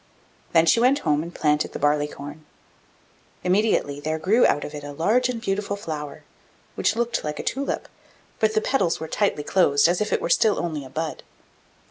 Then she went home and planted the barley corn; immediately there grew out of it a large and beautiful flower, which looked like a tulip, but the petals were tightly closed as if it were still only a bud.